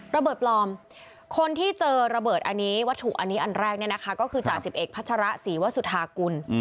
อ๋อระเบิดปลอมคนที่เจอระเบิดอันนี้วัตถุอันแรกนี่นะคะก็คือจ่าย๑๑พัชรศรีวสุธากุล